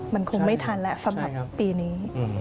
มันคงไม่ทันแล้วสำหรับปีนี้